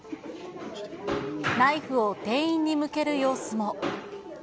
ナイフを店員に向ける様子も。